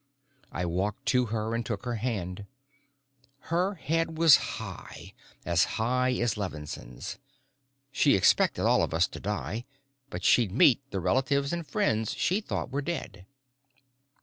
I walked to her and took her hand. Her head was high, as high as Levinsohn's. She expected all of us to die, but she'd meet the relatives and friends she thought were dead.